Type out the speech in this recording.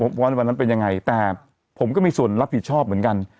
ว่าในวันนั้นเป็นยังไงแต่ผมก็มีส่วนรับผิดชอบเหมือนกัน